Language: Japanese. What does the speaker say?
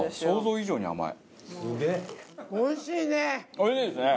おいしいですね。